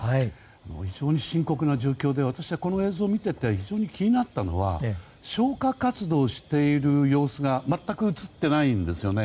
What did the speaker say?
非常に深刻な状況で私はこの映像を見ていて非常に気になったのが消火活動をしている様子が全く映ってないんですよね。